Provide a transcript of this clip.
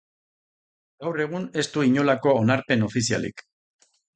Gaur egun ez du inolako onarpen ofizialik.